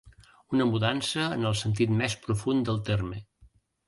Una mudança en el sentit més profund del terme.